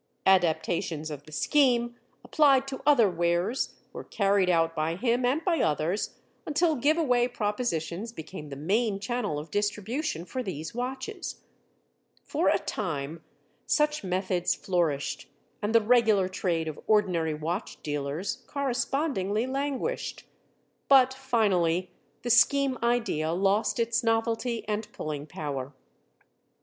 Adaptations of the scheme, applied to other wares, were carried out by him and by others until giveaway propositions became the main channel of distribution for these watches. For a time, such methods flourished and the regular trade of ordinary watch dealers correspondingly languished. But, finally, the scheme idea lost its novelty and pulling power.